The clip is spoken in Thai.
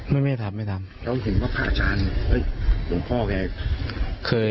ให้เด็กแล้ว